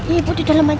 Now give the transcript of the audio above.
ibu duduk dalam aja ya